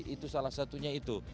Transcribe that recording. itu salah satunya itu